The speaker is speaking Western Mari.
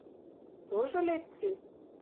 — Тоже лекци?